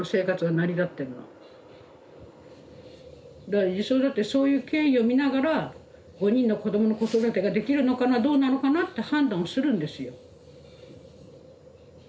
だから児相だってそういう経緯を見ながら５人の子どもの子育てができるのかなどうなのかなって判断をするんですよ。